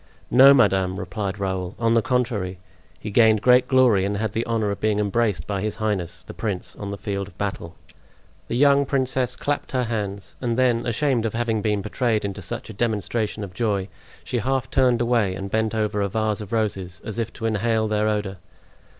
"No, madame," replied Raoul; "on the contrary, he gained great glory and had the honor of being embraced by his highness, the prince, on the field of battle." The young princess clapped her hands; and then, ashamed of having been betrayed into such a demonstration of joy, she half turned away and bent over a vase of roses, as if to inhale their odor.